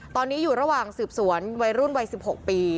ตอนนี้อยู่ระหว่างสืบสวนวัยรุ่นวัย๑๖ปี